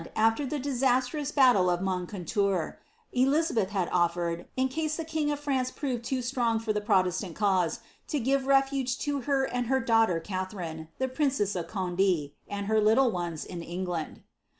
after the disasirous battle of Monew tour, Elizabeth had otlered, in case ihe king of FrTUicc proved too slnMJ foi the protesianl raune. to give refuge lo her and her daughter Cuhc rine. the princess of Conde, and her little ones in England.